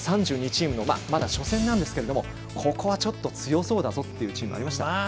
３２チームまだ初戦なんですけどもここはちょっと強そうだぞというチームありましたか？